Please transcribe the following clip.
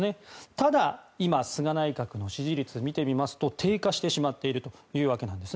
ただ、今菅内閣の支持率を見てみますと低下してしまっているというわけなんです。